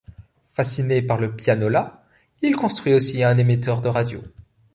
Fasciné par le pianola, il construit aussi un émetteur de radio.